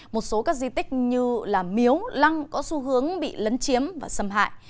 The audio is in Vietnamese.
một số các di tích như miếu lăng có xu hướng bị lấn chiếm và xâm hại